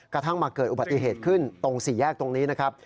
กระทั่งมาเกิดอุบัติเหตุขึ้นตรงสี่แยกตรงนี้นะครับ